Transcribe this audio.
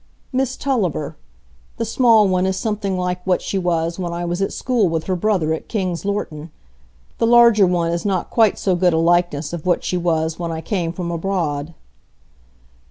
"Miss Tulliver. The small one is something like what she was when I was at school with her brother at King's Lorton; the larger one is not quite so good a likeness of what she was when I came from abroad."